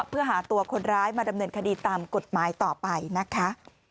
เพื่อหาตัวคนร้ายมาดำเนินคดีตามกฎหมายต่อไปนะคะ